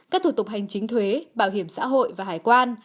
các thủ tục hành chính thuế bảo hiểm xã hội và hải quan